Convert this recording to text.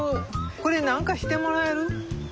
これ何かしてもらえる？